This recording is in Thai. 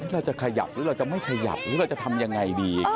เราจะขยับหรือเราจะไม่ขยับหรือเราจะทำยังไงดี